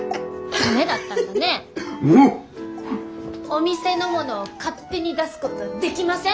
お店のものを勝手に出すことはできません！